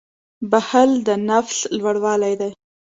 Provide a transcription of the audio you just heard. • بښل د نفس لوړوالی دی.